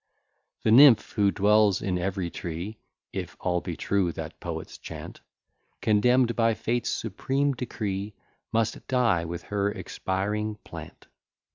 The nymph who dwells in every tree, (If all be true that poets chant,) Condemn'd by Fate's supreme decree, Must die with her expiring plant.